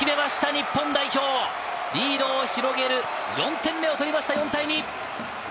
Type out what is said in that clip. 日本代表、リードを広げる４点目を取りました、４対２。